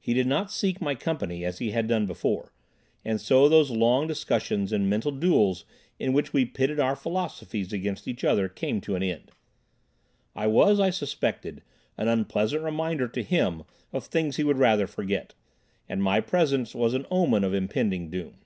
He did not seek my company as he had done before, and so those long discussions and mental duels in which we pitted our philosophies against each other came to an end. I was, I suspected, an unpleasant reminder to him of things he would rather forget, and my presence was an omen of impending doom.